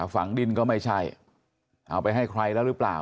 ฝังดินก็ไม่ใช่เอาไปให้ใครแล้วหรือเปล่า